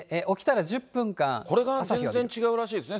これが全然違うらしいですね。